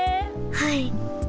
はい。